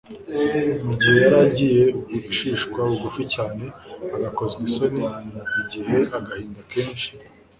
Mu gihe yari agiye gucishwa bugufi cyane agakozwa isoni, igihe agahinda kenshi